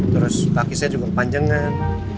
terus kaki saya juga kepanjangan